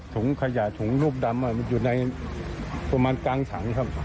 ถุงขยะถุงรูปดำอยู่ในประมาณกลางถังครับ